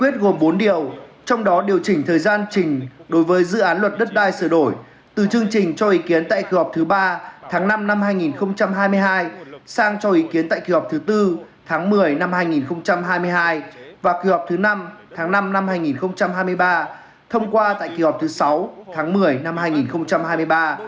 trong đó điều chỉnh thời gian chỉnh đối với dự án luật đất đai sửa đổi từ chương trình cho ý kiến tại kỳ họp thứ ba tháng năm năm hai nghìn hai mươi hai sang cho ý kiến tại kỳ họp thứ bốn tháng một mươi năm hai nghìn hai mươi hai và kỳ họp thứ năm tháng năm năm hai nghìn hai mươi ba thông qua tại kỳ họp thứ sáu tháng một mươi năm hai nghìn hai mươi ba